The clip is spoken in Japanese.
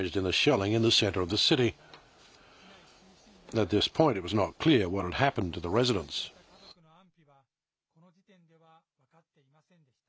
暮らしていた家族の安否は、この時点では分かっていませんでした。